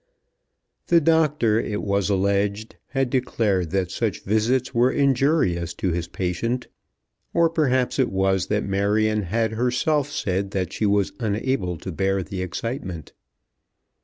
The doctor, it was alleged, had declared that such visits were injurious to his patient, or perhaps it was that Marion had herself said that she was unable to bear the excitement.